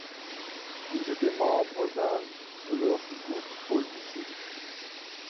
Ils étaient membres d'un de leurs groupes au lycée.